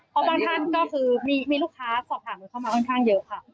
เพราะบางท่านก็คือมีลูกค้าสอบถามหนูเข้ามาค่อนข้างเยอะค่ะ